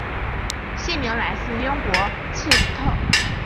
县名来自英国切斯特。